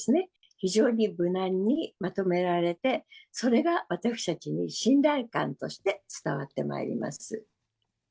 非常に無難にまとめられて、それが私たちに信頼感として伝わってまいります。